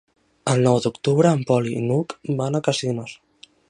El nou d'octubre en Pol i n'Hug van a Casinos.